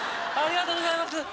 ありがとうございます